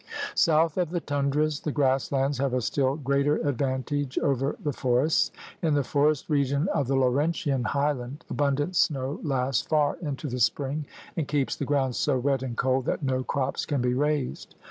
South of the tundras the grass lands have a still greater advantage over the forests. In the forest region of the Laurentian highland abundant snow lasts far into the spring and keeps the ground so wet and cold that no crops can be raised.